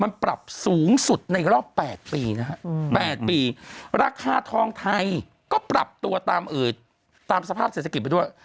มันปรับสูงสุดในรอบ๘ปีนะฮะ๘ปีราคาทองไทยก็ปรับตัวตามสภาพเศรษฐกิจไปด้วย